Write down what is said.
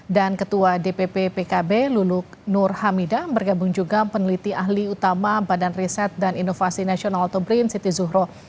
dan ketua dpp pkb luluk nur hamida bergabung juga peneliti ahli utama badan riset dan inovasi nasional tobrin siti zuhro